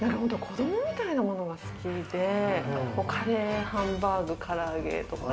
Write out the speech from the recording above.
子供みたいなものが好きで、カレー、ハンバーグ、からあげとか。